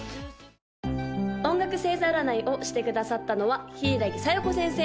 ・音楽星座占いをしてくださったのは柊小夜子先生！